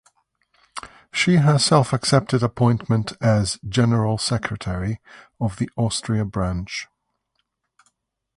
She herself accepted appointment as "General Secretary" of the Austria branch.